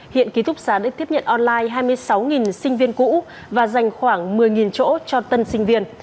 hiện ký túc xá đã tiếp nhận online hai mươi sáu sinh viên cũ và dành khoảng một mươi chỗ cho tân sinh viên